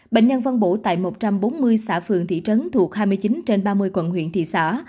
bệnh nhân phân bổ tại một trăm bốn mươi xã phường thị trấn thuộc hai mươi chín trên ba mươi quận huyện thị xã